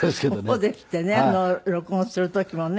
そうですってね録音する時もね。